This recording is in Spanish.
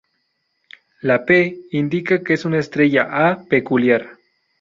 La "p" indica que es una estrella A peculiar.